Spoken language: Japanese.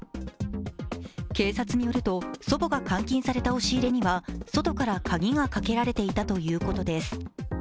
警察によると、祖母が監禁された押し入れには外から鍵がかけられていたということです。